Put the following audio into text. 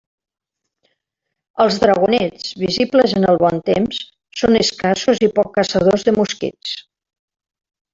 Els dragonets, visibles en el bon temps, són escassos i poc caçadors de mosquits.